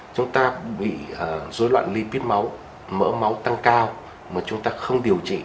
chúng ta bị dối loạn lipid máu mỡ máu tăng cao mà chúng ta không điều trị